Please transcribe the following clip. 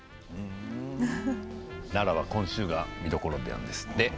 奈良は今週が見どころなんですって。